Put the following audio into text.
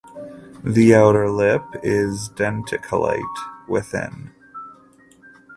The outer lip is denticulate within.